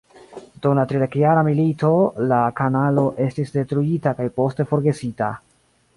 Dum la tridekjara milito la kanalo estis detruita kaj poste forgesita.